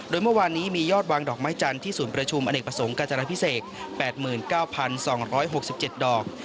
โดยเมื่อวานนี้มียอดวางดอกไม้จันทร์ที่ศูนย์ประชุมอเนกประสงค์การจนาพิเศษ๘๙๒๖๗ดอก